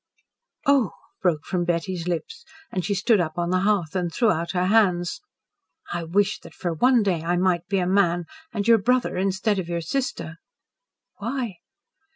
"Oh!" broke from Betty's lips, and she stood up on the hearth and threw out her hands. "I wish that for one day I might be a man and your brother instead of your sister!" "Why?"